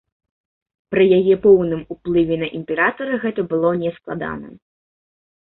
Пры яе поўным уплыве на імператара гэта было нескладана.